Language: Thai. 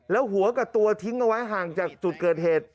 แล้วหัวกับตัวทิ้งเอาไว้ห่างจากจุดเกิดเหตุ